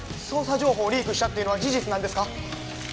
捜査情報をリークしたというのは事実なんですか？